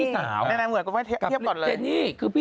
อยากกันเยี่ยม